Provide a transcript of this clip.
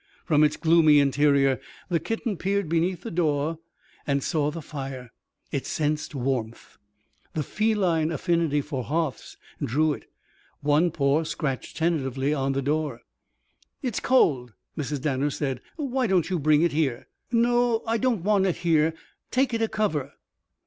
From its gloomy interior the kitten peered beneath the door and saw the fire. It sensed warmth. The feline affinity for hearths drew it. One paw scratched tentatively on the door. "It's cold," Mrs. Danner said. "Why don't you bring it here? No, I don't want it here. Take it a cover."